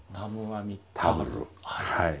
はい。